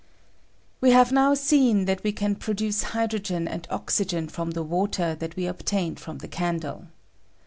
We have now seen that we can produce hydrogen and oxygen from the water that we obtained from the candle.